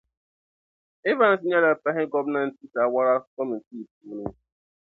Evans nyɛla pahi gɔmnanti saawara kɔmitii puuni